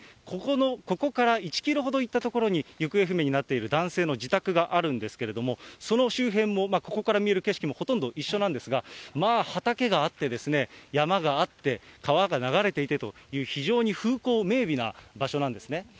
ここから１キロほど行った所に、行方不明になっている男性の自宅があるんですけれども、その周辺も、ここから見る景色もほとんど一緒なんですが、まあ、畑があってですね、山があって、川が流れていてという、非常に風光明媚な場所なんですね。